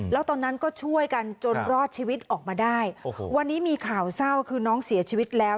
แล้วตอนนั้นก็ช่วยกันจนรอดชีวิตออกมาได้โอ้โหวันนี้มีข่าวเศร้าคือน้องเสียชีวิตแล้ว